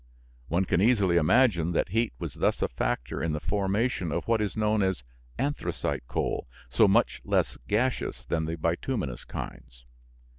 One can easily imagine that heat was thus a factor in the formation of what is known as anthracite coal, so much less gaseous than the bituminous kinds.